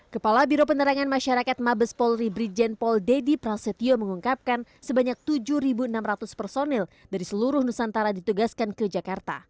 kepala biro penerangan masyarakat mabes polri brigjen paul deddy prasetyo mengungkapkan sebanyak tujuh enam ratus personil dari seluruh nusantara ditugaskan ke jakarta